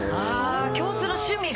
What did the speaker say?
共通の趣味が。